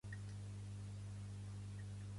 El meu cap m'ha regalat una rosa